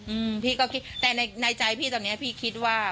อืมพี่ก็คิดแต่ในในใจพี่ตอนเนี้ยพี่คิดว่า